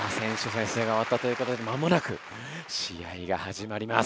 せんせいが終わったということで間もなく試合が始まります！